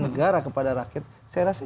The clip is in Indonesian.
negara kepada rakyat saya rasa